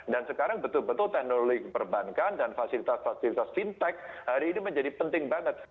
dan sekarang betul betul teknologi perbankan dan fasilitas fasilitas fintech hari ini menjadi penting banget